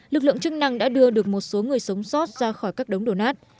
lực lượng chức năng đã đưa được một số người sống sót ra khỏi các đống đổ nát